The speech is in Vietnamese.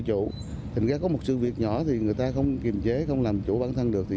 chủ thành ra có một sự việc nhỏ thì người ta không kiềm chế không làm chủ bản thân được thì